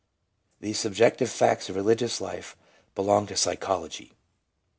The subjective facts of religious life belong to psychology.